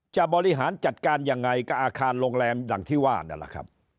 บริหารจัดการยังไงกับอาคารโรงแรมอย่างที่ว่านั่นแหละครับ